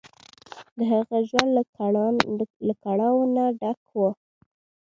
د هغه ژوند له کړاوونو ډک و.